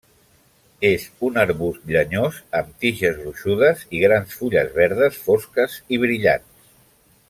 És un arbust llenyós amb tiges gruixudes i grans fulles verdes fosques i brillants.